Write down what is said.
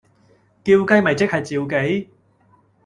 叫雞咪即係召妓